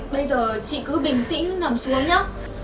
bây giờ chị cứ bình tĩnh nằm xuống nhé